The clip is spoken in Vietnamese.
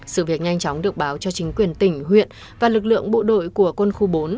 sự việc nhanh chóng được báo cho chính quyền tỉnh huyện và lực lượng bộ đội của quân khu bốn